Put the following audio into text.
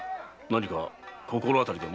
何か心当たりでも？